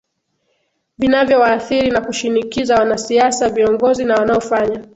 vinavyowaathiri na kushinikiza wanasiasa viongozi na wanaofanya